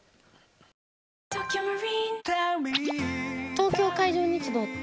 東京海上日動って？